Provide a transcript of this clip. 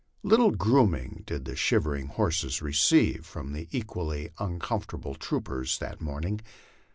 Little grooming did the shivering horses receive from the equally uncomfortable troopers that morning.